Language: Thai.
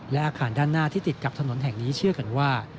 และอาคารด้านหน้าที่ติดกับถนนแห่งนี้เชื่อกันว่า